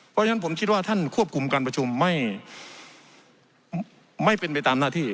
เพราะฉะนั้นผมคิดว่าท่านควบคุมการประชุมไม่เป็นไปตามหน้าที่